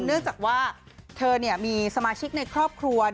เนื่องจากว่าเธอมีสมาชิกในครอบครัว